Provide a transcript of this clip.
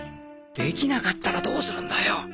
できなかったらどうするんだよ！